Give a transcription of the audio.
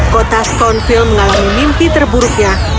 kota sconeville mengalami mimpi terburuknya